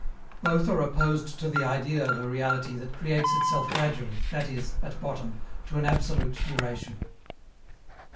_ Both are opposed to the idea of a reality that creates itself gradually, that is, at bottom, to an absolute duration.